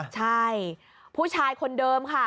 ใช่ผู้ชายคนเดิมค่ะ